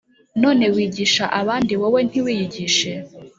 None wigisha abandi wowe ntiwiyigishe